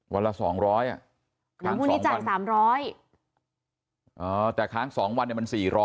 วันละ๒๐๐นี้จาก๓๐๐แต่ค้าง๒วันมัน๔๐๐